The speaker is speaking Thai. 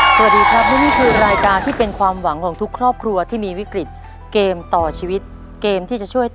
สวัสดีครับนี่มีคือรายการที่เป็นความหวังของทุกครอบครัวที่มีวิกฤต